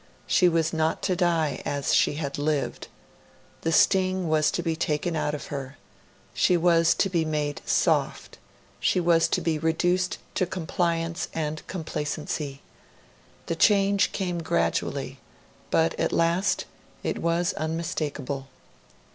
She was not to die as she had lived. The sting was to be taken out of her; she was to be made soft; she was to be reduced to compliance and complacency. The change came gradually, but at last it was unmistakable.